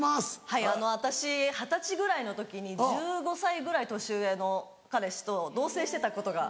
はい私二十歳ぐらいの時に１５歳ぐらい年上の彼氏と同棲してたことが。